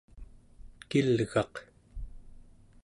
kilgaq